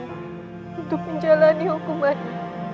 untuk menjalani hukumannya